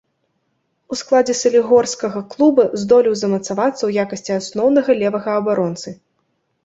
У складзе салігорскага клуба здолеў замацавацца ў якасці асноўнага левага абаронцы.